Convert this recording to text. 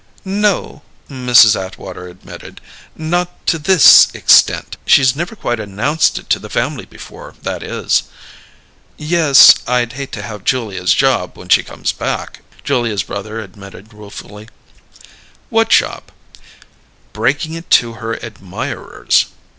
"No," Mrs. Atwater admitted. "Not to this extent! She's never quite announced it to the family before, that is." "Yes; I'd hate to have Julia's job when she comes back!" Julia's brother admitted ruefully. "What job?" "Breaking it to her admirers."